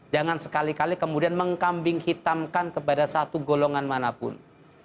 jangan sekali kali kemudian mengkambing hitamkan kepada satu golongan manapun